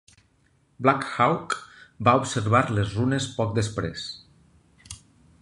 Black Hawk va observar les runes poc després.